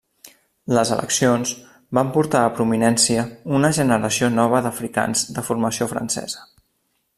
Les eleccions van portar a prominència una generació nova d'africans de formació francesa.